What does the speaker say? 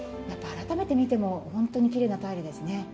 やっぱり改めて見ても本当にきれいなタイルですね。